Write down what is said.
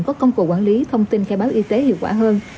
có công cụ quản lý thông tin khai báo y tế hiệu quả hơn